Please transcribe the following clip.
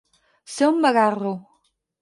Ser un vagarro.